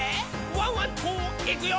ワンワンといくよ」